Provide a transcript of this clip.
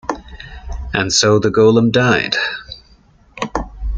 And so the golem died.